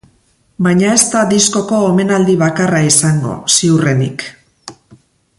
Baina ez da diskoko omenaldi bakarraizango ziurrenik.